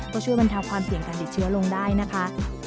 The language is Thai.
ก็ช่วยบรรเทาความเสี่ยงการติดเชื้อลงได้นะคะ